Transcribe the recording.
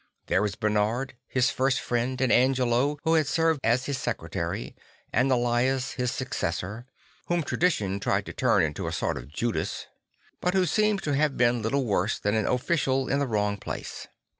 There was Bernard his first friend and Angelo who had served as his secretary and Elias his successor, whom traè3tion tried to turn into a sort of Judas, 17 0 St. Francis of Assis; but who seems to have been little worse than an official in the wrong place.